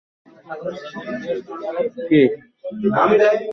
ভারতে এই ঘোষণা রাজ্য সরকার করে থাকেন।